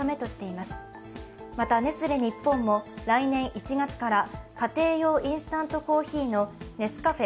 また、ネスレ日本も来年１月から家庭用インスタントコーヒーのネスカフェ